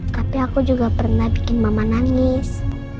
tapi aku juga pernah bikin mama nangis